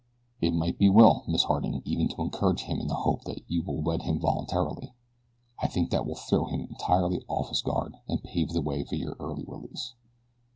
It might be well, Miss Harding, even to encourage him in the hope that you will wed him voluntarily. I think that that would throw him entirely off his guard, and pave the way for your early release."